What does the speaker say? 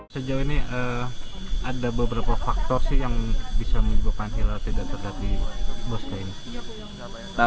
sejauh ini ada beberapa faktor yang bisa menyebabkan hilang tidak terganti bosnya ini